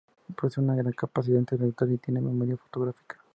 Posee una gran capacidad intelectual y tiene memoria fotográfica.